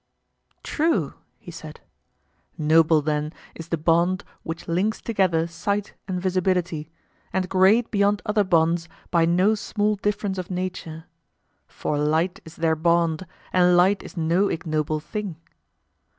True, he said. Noble, then, is the bond which links together sight and visibility, and great beyond other bonds by no small difference of nature; for light is their bond, and light is no ignoble thing?